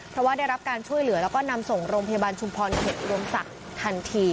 เพราะว่าได้รับการช่วยเหลือแล้วก็นำส่งโรงพยาบาลชุมพรเขตอุดมศักดิ์ทันที